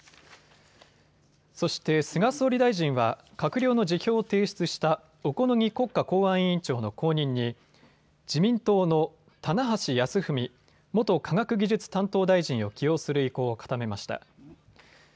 そして菅総理大臣は閣僚の辞表を提出した小此木国家公安委員長の後任に自民党の棚橋泰文元科学技術担当大臣を起用する意向を固めました。